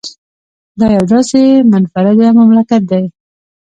دا یو داسې منفرده مملکت دی